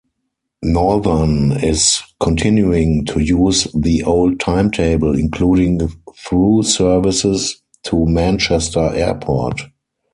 Northern is continuing to use the old timetable, including through services to Manchester Airport.